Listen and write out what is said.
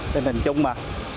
tình hình chung mà